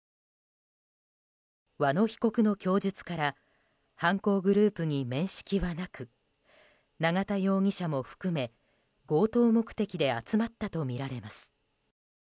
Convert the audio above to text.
和野被告の供述から犯行グループに面識はなく永田容疑者も含め、強盗目的で集まったとみられます。